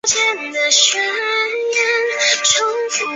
毛刺花椒为芸香科花椒属下的一个变种。